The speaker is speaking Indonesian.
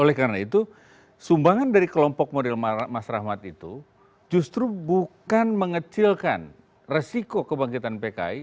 oleh karena itu sumbangan dari kelompok model mas rahmat itu justru bukan mengecilkan resiko kebangkitan pki